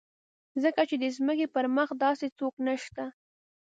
ځکه چې د ځمکې پر مخ داسې څوک نشته.